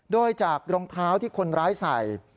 โดยจากรองเท้าที่คนร้ายใส่